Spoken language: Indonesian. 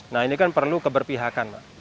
nah ini kan perlu keberpihakan mbak